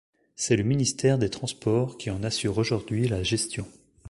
C'est le ministère des transports qui en assure aujourd'hui la gestion.